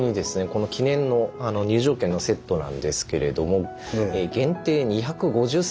この記念の入場券のセットなんですけれども限定２５０セット販売するそうです。